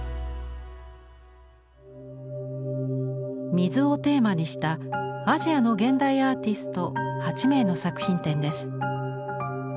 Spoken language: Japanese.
水をテーマにしたアジアの現代アーティスト８名の作品展です。